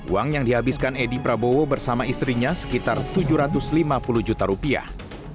uang yang dihabiskan edi prabowo bersama istrinya sekitar tujuh ratus lima puluh juta rupiah